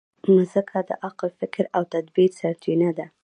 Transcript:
مځکه د عقل، فکر او تدبر سرچینه ده.